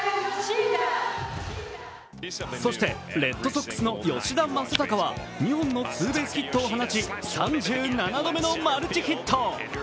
そしてレッドソックスの吉田正尚は２本のツーベースヒットを放ち３７度目のマルチヒット。